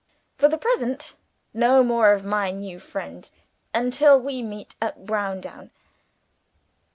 For the present, no more of my new friend until we meet at Browndown.'